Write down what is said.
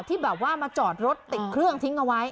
ที่แบบว่ามาจอดรถติดเครื่องทิ้งเอาไว้